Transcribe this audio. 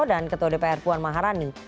dan ketua dpr puan maharani